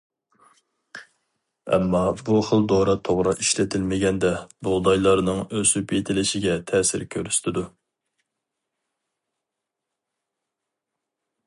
ئەمما بۇ خىل دورا توغرا ئىشلىتىلمىگەندە بۇغدايلارنىڭ ئۆسۈپ يېتىلىشىگە تەسىر كۆرسىتىدۇ.